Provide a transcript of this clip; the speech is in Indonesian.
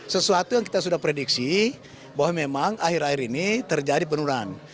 sesuatu yang kita sudah prediksi bahwa memang akhir akhir ini terjadi penurunan